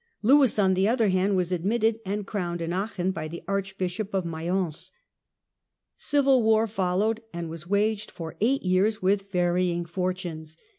Lewis, on the other hand, was admitted and crowned in Aachen by 'the Archbishop of Mayence. Civil war followed and was waged for eight years with varying fortunes.